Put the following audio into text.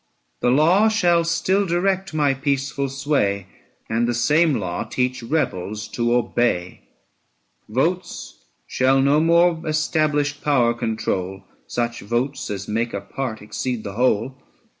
990 The law shall still direct my peaceful sway, And the same law teach rebels to obey: Votes shall no more established power control, Such votes as make a part exceed the whole.